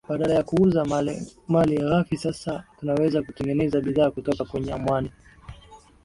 Badala ya kuuza mali ghafi sasa tunaweza kutengeneza bidhaa kutoka kwenye mwani